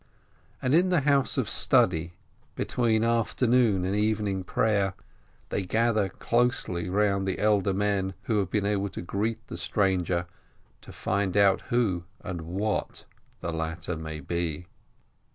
And in the house of study, between Afternoon and Evening Prayer, they gather closely round the elder men, who have been to greet the stranger, to find out who and what the latter may be.